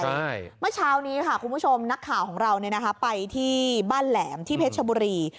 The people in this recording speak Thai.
เมื่อเช้านี้คุณผู้ชมนักข่าวของเราไปที่บ้านแหลมที่เพชรชบุรี